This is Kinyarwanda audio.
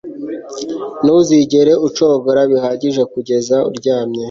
ntuzigere ucogora bihagije kugeza uryamye